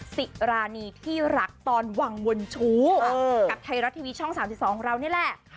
สิรานีที่รักตอนวังวนชู้กับไทยรัฐทีวีช่อง๓๒ของเรานี่แหละ